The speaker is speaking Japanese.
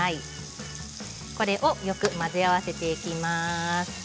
これをよく混ぜ合わせていきます。